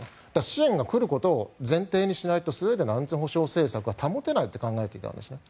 支援が来ることを前提にしないとスウェーデンの安全保障政策は保てないと考えていたわけですよね。